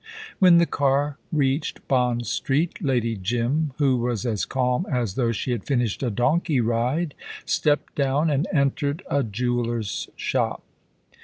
When the car reached Bond Street, Lady Jim, who was as calm as though she had finished a donkey ride, stepped down and entered a jeweller's shop.